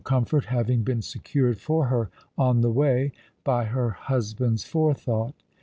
comfort haTing been secured for her on the way, by her husband's forethought.